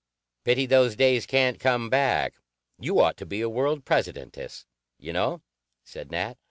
"Pity those days can't come back. You ought to be a World Presidentess, you know," said Nat.